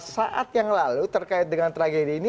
saat yang lalu terkait dengan tragedi ini